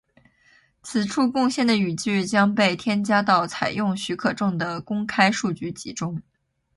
此处贡献的语句将被添加到采用许可证的公开数据集中。